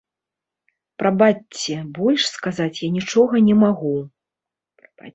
Прабачце, больш сказаць я нічога не магу.